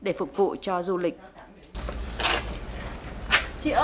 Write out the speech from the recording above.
để phục vụ cho du lịch